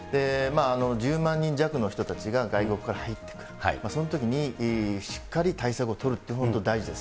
１０万人弱の人たちが外国から入ってくる、そのときに、しっかり対策を取るって、本当、大事です。